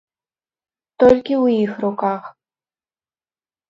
Толькі ў іх руках.